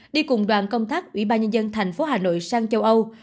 đi cùng đoàn công tác ủy ban nhân dân thành phố hà nội sang châu âu